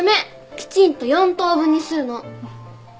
きちんと４等分にするの。